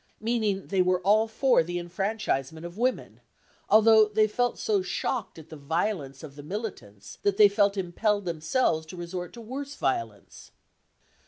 meaning they were all for the enfranchisement of women, although they felt so shocked at the violence of the militants that they felt impelled themselves to resort to worse violence.